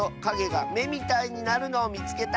がめみたいになるのをみつけた！」。